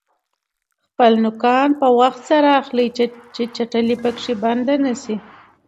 خپلې نوکان په وخت سره اخلئ چې چټلي پکې بنده نشي.